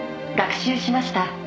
「学習しました。